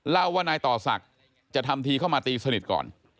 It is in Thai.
เล่าว่านายต่อศักดิ์จะทำทีเข้ามาตีสนิทก่อน